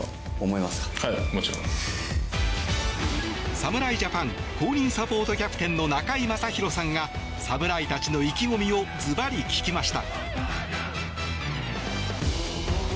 侍ジャパン公認サポートキャプテンの中居正広さんが侍たちの意気込みをずばり聞きました。